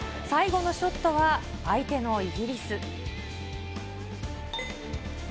最後のショットは相手のイギリス。